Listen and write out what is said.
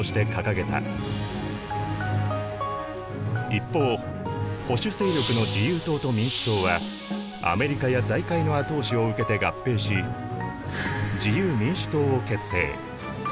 一方保守勢力の自由党と民主党はアメリカや財界の後押しを受けて合併し自由民主党を結成。